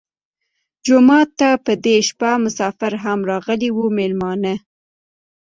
جومات ته په دې شپه مسافر هم راغلي وو مېلمانه.